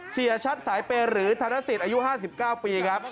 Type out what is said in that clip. เสียชัดสายเปย์หรือธนสิทธิ์อายุ๕๙ปีครับ